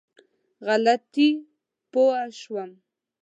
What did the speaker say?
غلطي پوه شوم.